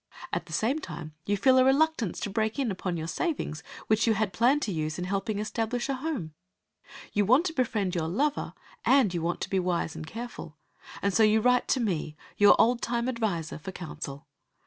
At the same time you feel a reluctance to break in upon your savings, which you had planned to use in helping establish a home. You want to befriend your lover, and you want to be wise and careful, and so you write to me, your old time adviser, for counsel.